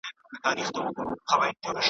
طبیب وویل چي روغه سوې پوهېږم .